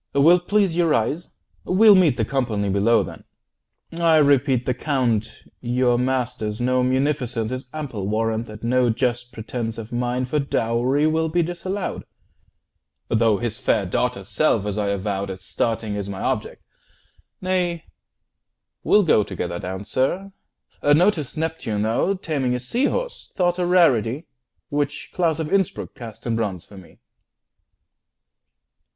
Will't please you rise? We'll meet The company below, then. I repeat, The Count your master's known munificence Is ample warrant that no just pretence 50 Of mine for dowry will be disallowed; Though his fair daughter's self, as I avowed At starting, is my object. Nay, we'll go Together down, sir. Notice Neptune, though, Taming a sea horse, thought a rarity, Which Claus of Innsbruck cast in bronze for me!